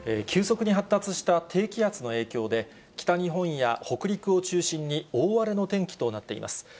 急速に発達した低気圧の影響で、北日本や北陸を中心に大荒れの天気となっています。